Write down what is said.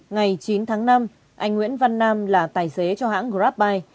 ngày chín tháng năm anh nguyễn văn nam là tài xế cho hãng grabbuy